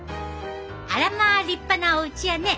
あらま立派なおうちやね。